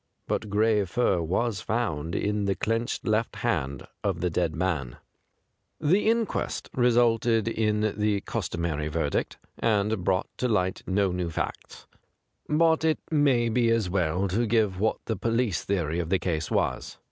But gray fur was found in the clenched left hand of the dead man. 187 THE GRAY CAT The inquest resulted in the cus tomary verdict, and brought to light no new facts. But it may be as well to give what the police theory of the case was.